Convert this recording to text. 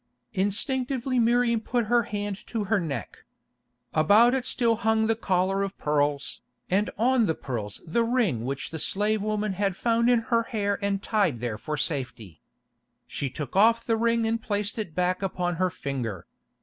Instinctively Miriam put her hand to her neck. About it still hung the collar of pearls, and on the pearls the ring which the slave woman had found in her hair and tied there for safety. She took off the ring and placed it back upon her finger.